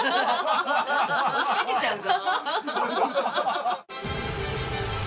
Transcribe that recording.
押しかけちゃうぞ。